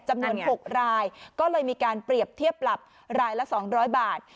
จำนวน๖รายก็เลยมีการเปรียบเทียบปรับรายละ๒๐๐บาท